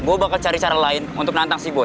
gue bakal cari cara lain untuk nantang si boy